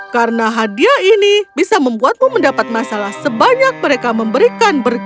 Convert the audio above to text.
karena hadiah ini bisa membuatmu mendapat masalah sebanyak mereka memberikan berkah